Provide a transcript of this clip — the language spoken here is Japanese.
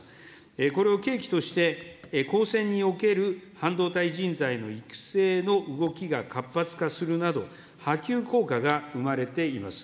これを契機として、こうせんにおける半導体人材の育成の動きが活発化するなど、波及効果が生まれています。